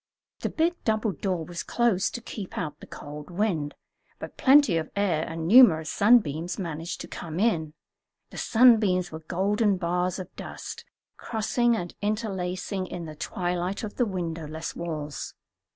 The big double door was closed to keep out the cold wind, but plenty of air and numerous sunbeams managed to come in. The sunbeams were golden bars of dust, crossing and interlacing in the twilight of the windowless walls.